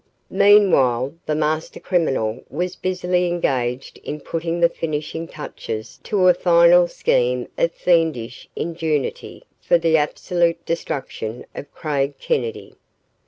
........ Meanwhile, the master criminal was busily engaged in putting the finishing touches to a final scheme of fiendish ingenuity for the absolute destruction of Craig Kennedy.